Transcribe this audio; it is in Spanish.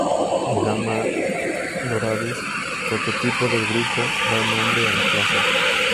Gamma Doradus, prototipo del grupo, da nombre a la clase.